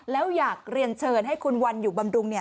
แล้วอยากเรียนเชิญให้คุณวันอยู่บำรุง